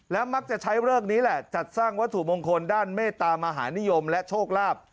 มักจะใช้เลิกนี้แหละจัดสร้างวัตถุมงคลด้านเมตตามหานิยมและโชคลาภ